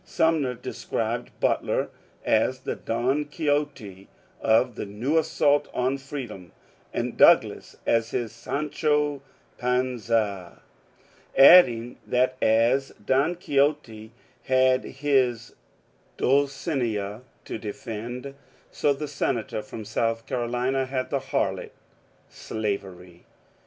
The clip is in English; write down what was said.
Sum ner described Butler as the Don Quixote of' the new assault on freedom, and Douglas as his Sancho Panza, adding that as Don Quixote had his Dulcinea to defend, so the senator from South Carolina had the harlot — slavery.